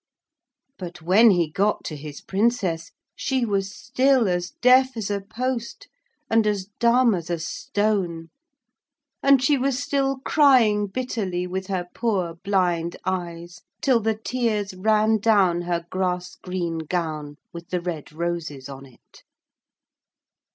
But when he got to his Princess she was still as deaf as a post and as dumb as a stone, and she was still crying bitterly with her poor blind eyes, till the tears ran down her grass green gown with the red roses on it.